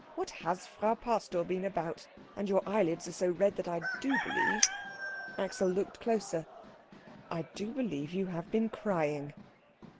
What has Frau Pastor been about? And your eyelids are so red that I do believe " Axel looked closer "I do believe you have been crying."